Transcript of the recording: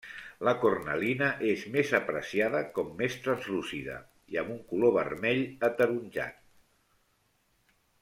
La cornalina és més apreciada com més translúcida, i amb un color vermell-ataronjat.